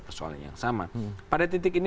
persoalan yang sama pada titik ini